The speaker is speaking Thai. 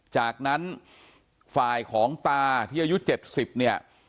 จากนั้นฝ่ายของตาที่อายุ๗๐เนี่ย